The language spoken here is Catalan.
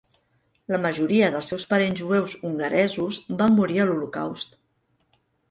La majoria dels seus parents jueus hongaresos van morir a l'Holocaust.